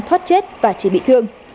thoát chết và chỉ bị thương